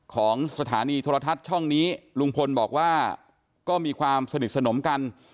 ของสถานีโทรทัศน์ช่องนี้ลุงพลบอกว่าก็มีความสนิทสนมกัน